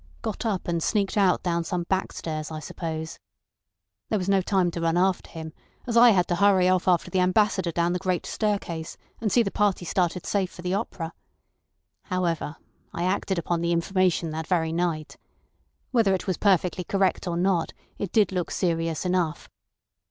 Got up and sneaked out down some back stairs, I suppose. There was no time to run after him, as I had to hurry off after the Ambassador down the great staircase, and see the party started safe for the opera. However, I acted upon the information that very night. Whether it was perfectly correct or not, it did look serious enough.